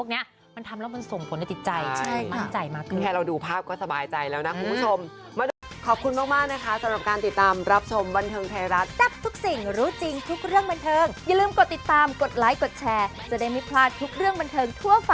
เอาบุญมาฝากทุกคนด้วยนะคะ